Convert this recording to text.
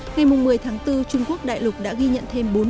ngày một mươi tháng bốn trung quốc đại lục đã ghi nhận một bộ phim